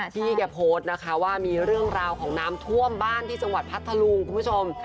พี่แกโพสต์นะคะว่ามีเรื่องราวของน้ำท่วมบ้านที่จังหวัดพัทธลุงคุณผู้ชม